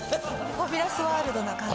ファビュラスワールドな感じで。